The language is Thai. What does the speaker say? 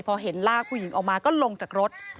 พอเห็นลากผู้หญิงออกมาก็ลงจากรถ